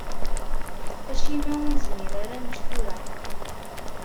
Acimi ur nezmir ara ad nečč tura?